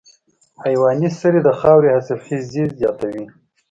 حیواني سرې د خاورې حاصلخېزي زیاتوي.